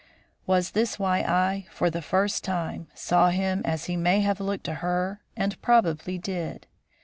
Was this why I, for the first time, saw him as he may have looked to her and probably did?